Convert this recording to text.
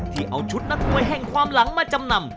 เอาชุดนักมวยแห่งความหลังมาจำนำ